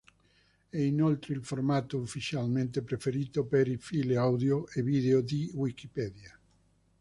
È inoltre il formato ufficialmente preferito per i file audio e video di Wikipedia.